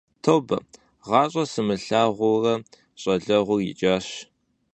Тобэ, гъащӀэ сымылъагъуурэ щӀалэгъуэр икӀащ.